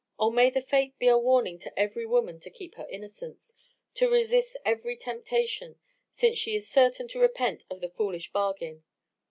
O may my fate be a warning to every woman to keep her innocence, to resist every temptation, since she is certain to repent of the foolish bargain.